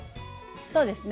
そうですね